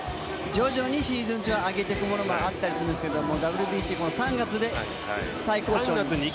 徐々にシーズン中は上げていくものがあるんですけど、ＷＢＣ、３月で最高潮に。